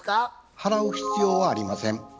払う必要はありません。